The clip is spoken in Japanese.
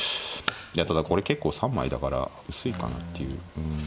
いやただこれ結構３枚だから薄いかなっていう。